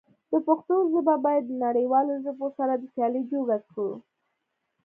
د پښتو ژبه بايد د نړيوالو ژبو سره د سيالی جوګه کړو.